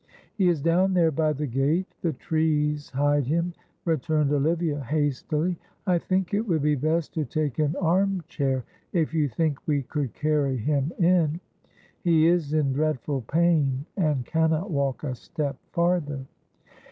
"He is down there by the gate, the trees hide him," returned Olivia, hastily. "I think it would be best to take an arm chair, if you think we could carry him in. He is in dreadful pain and cannot walk a step farther."